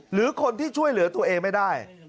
หรือคนที่ช่วยเหลือตัวเองไม่ได้